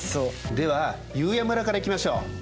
では悠也村からいきましょう。